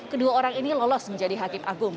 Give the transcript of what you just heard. kedua orang ini lolos menjadi hakim agung